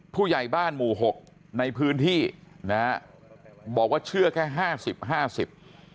ผู้ใหญ่บ้านหมู่หกในพื้นที่นะฮะบอกว่าเชื่อแค่ห้าสิบห้าสิบ